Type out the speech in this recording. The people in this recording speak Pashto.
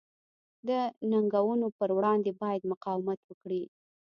د ننګونو پر وړاندې باید مقاومت وکړي.